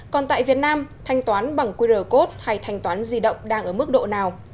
còn tại việt nam thanh toán bằng qr code hay thanh toán di động đang ở mức độ nào